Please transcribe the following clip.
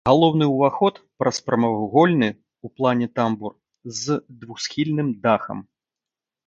Галоўны ўваход праз прамавугольны ў плане тамбур з двухсхільным дахам.